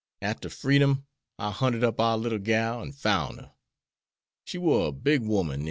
Arter freedom, I hunted up our little gal, an' foun' her. She war a big woman den.